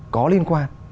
có liên quan